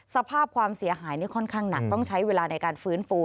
สภาพความเสียหายค่อนข้างหนักต้องใช้เวลาในการฟื้นฟู